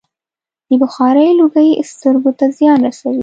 د بخارۍ لوګی سترګو ته زیان رسوي.